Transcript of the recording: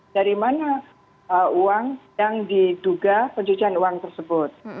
dari mana uang yang diduga pencucian uang tersebut